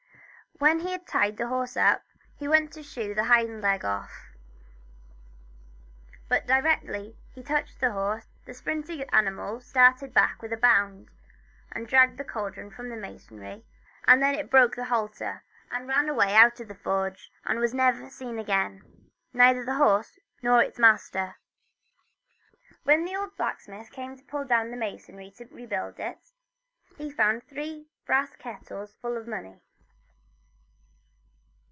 When he had tied the horse up he went to shoe the The Craig y Don Blacksmith. 1 1 off hind leg, but directly he touched the horse the spirited animal started back with a bound, and dragged the cauldron from the masonry, and then it broke the halter and ran away out of the forge, and was never seen again : neither the horse nor its master. When the old blacksmith came to pull down the masonry to rebuild it, he found three brass kettles full of money.